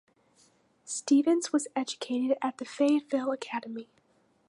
Stephens was educated at the Fayetteville Academy.